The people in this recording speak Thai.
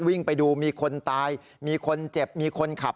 วิ่งไปดูมีคนตายมีคนเจ็บมีคนขับ